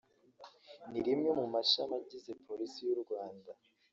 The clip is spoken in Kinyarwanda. ni rimwe mu mashami agize Polisi y’u Rwanda